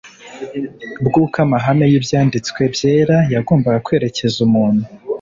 bw'uko amahame y'Ibyanditswe byera yagombaga kwerekeza umuntu.